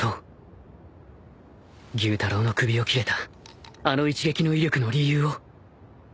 妓夫太郎の首を斬れたあの一撃の威力の理由を